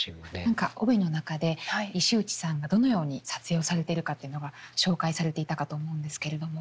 何か帯の中で石内さんがどのように撮影をされているかっていうのが紹介されていたかと思うんですけれども。